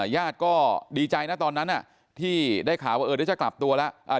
ญาติก็ดีใจนะตอนนั้นที่ได้ข่าวว่าเดี๋ยวจะกลับตัวแล้ว